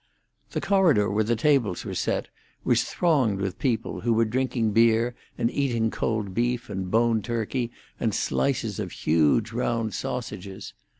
The corridor where the tables were set was thronged with people, who were drinking beer and eating cold beef and boned turkey and slices of huge round sausages.